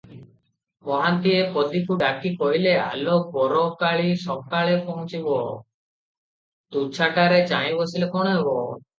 ମହାନ୍ତିଏ ପଦୀକୁ ଡାକି କହିଲେ, "ଆଲୋ! ବର କାଲି ସକାଳେ ପହଞ୍ଚିବ, ତୁଚ୍ଛାଟାରେ ଚାହିଁ ବସିଲେ କଣ ହେବ?